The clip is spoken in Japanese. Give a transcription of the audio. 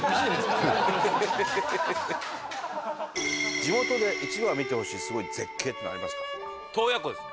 「地元で一度は見てほしいすごい絶景ってのはありますか？」